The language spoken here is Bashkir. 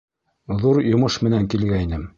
— Ҙур йомош менән килгәйнем.